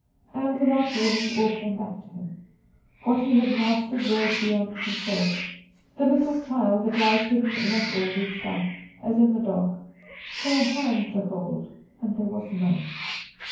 And, without warning, all came back on him. What he had mastered rose beyond control. The little child that lies hidden in us all reached out as in the dark for a hand to hold; and there was none.